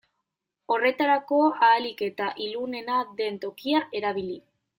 Horretarako ahalik eta ilunena den tokia erabili.